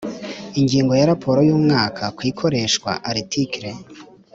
Ingingo ya Raporo y umwaka ku ikoreshwa Article